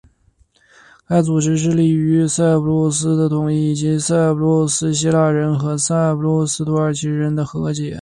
该组织致力于塞浦路斯的统一以及塞浦路斯希腊人和塞浦路斯土耳其人的和解。